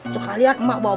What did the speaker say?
sekalian emak bawa